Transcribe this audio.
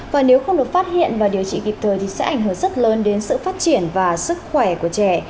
và nếu không được phát hiện và điều trị kịp thời thì sẽ ảnh hưởng rất lớn đến sự phát triển và sức khỏe của trẻ